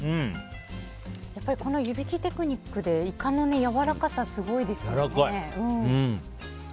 やっぱりこの湯引きテクニックでイカのやわらかさすごいですよね。